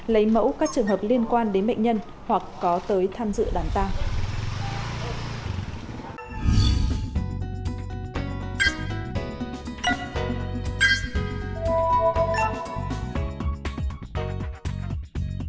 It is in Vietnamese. lấy mẫu các trường hợp liên quan đến bệnh nhân hoặc có tới tham dự đám tang